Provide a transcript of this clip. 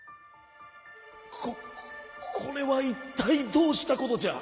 「ここれはいったいどうしたことじゃ！？